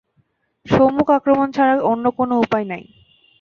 সম্মুখ আক্রমণ ছাড়া অন্য কোন উপায় নাই।